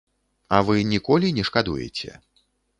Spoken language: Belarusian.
А вы ніколі не шкадуеце.